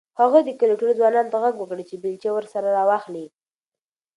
هغه د کلي ټولو ځوانانو ته غږ وکړ چې بیلچې ورسره راواخلي.